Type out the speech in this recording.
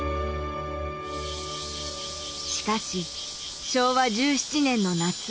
しかし昭和１７年の夏。